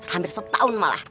hampir setahun malah